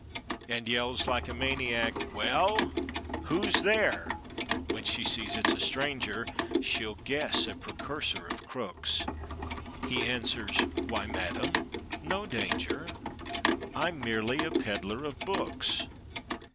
And yells like a maniac ^"Well, Who's there?" When she sees it's a stranger— (She'll guess a precursor of crooks) He answers, "Why, madam, no danger; I'm merely a peddler of books."